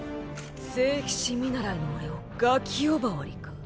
聖騎士見習いの俺をガキ呼ばわりか。